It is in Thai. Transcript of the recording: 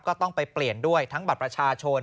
ก็ต้องไปเปลี่ยนด้วยทั้งบัตรประชาชน